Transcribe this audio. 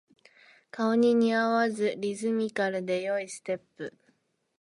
顔に似合わずリズミカルで良いステップ